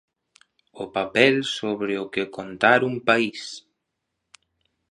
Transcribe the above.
'O papel sobre o que contar un país'.